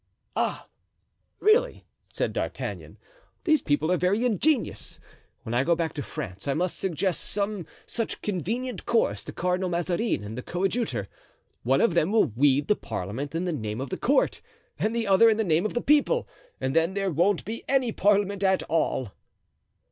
"Ah! really," said D'Artagnan, "these people are very ingenious. When I go back to France I must suggest some such convenient course to Cardinal Mazarin and the coadjutor. One of them will weed the parliament in the name of the court, and the other in the name of the people; and then there won't be any parliament at all."